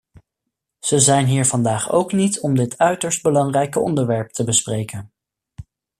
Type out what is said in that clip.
Ze zijn hier vandaag ook niet om dit uiterst belangrijke onderwerp te bespreken.